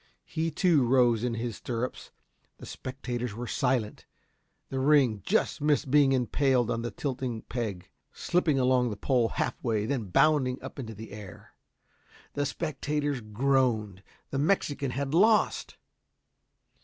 He, too, rose in his stirrups. The spectators were silent. The ring just missed being impaled on the tilting peg, slipping along the pole half way then bounding up into the air. The spectators groaned. The Mexican had lost.